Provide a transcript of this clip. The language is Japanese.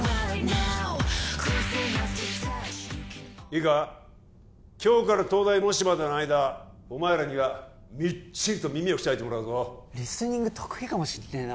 いいか今日から東大模試までの間お前らにはみっちりと耳を鍛えてもらうぞリスニング得意かもしんねえな